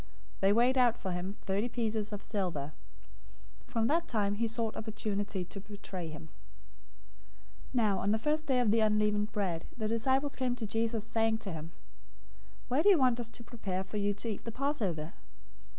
They weighed out for him thirty pieces of silver. 026:016 From that time he sought opportunity to betray him. 026:017 Now on the first day of unleavened bread, the disciples came to Jesus, saying to him, "Where do you want us to prepare for you to eat the Passover?"